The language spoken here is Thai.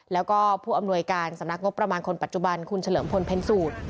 แล้วก็ผู้อำนวยการสำนักงบประมาณคนปัจจุบันคุณเฉลิมพลเพ็ญสูตร